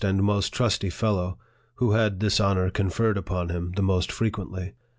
13 and most trusty fellow, who had this honor conferred upon him the most frequently.